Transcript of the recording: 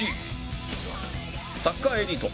サッカーエリート